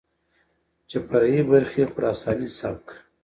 چې فرعي برخې خراساني سبک،